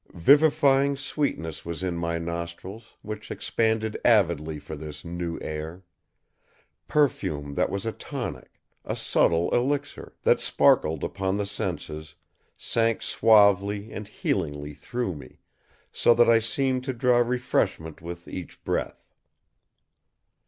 Vivifying sweetness was in my nostrils, which expanded avidly for this new air. Perfume that was a tonic, a subtle elixir; that sparkled upon the senses, sank suavely and healingly through me, so that I seemed to draw refreshment with each breath.